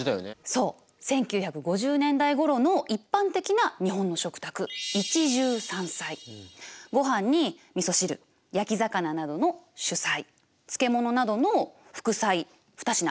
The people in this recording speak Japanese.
そう１９５０年代ごろの一般的な日本の食卓ごはんにみそ汁焼き魚などの主菜漬物などの副菜２品